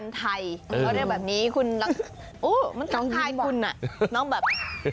ควายพันธุ์ไทยเขาเรียกแบบนี้มันทักทายคุณน้องแบบ